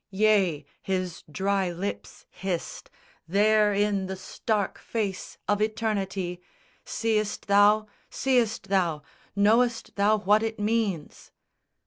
Yea, his dry lips hissed There in the stark face of Eternity, "Seëst thou? Seëst thou? Knowest thou what it means?"